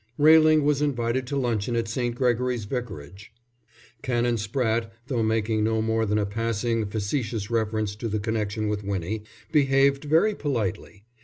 Railing was invited to luncheon at St. Gregory's Vicarage. Canon Spratte, though making no more than a passing, facetious reference to the connection with Winnie, behaved very politely.